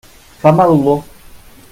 Fa mala olor.